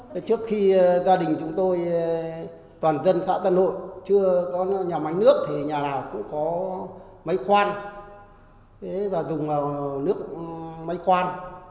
trước khi gia đình chúng tôi toàn dân xã tân hội chưa có nhà máy nước thì nhà nào cũng có mấy khoan và dùng vào nước máy khoan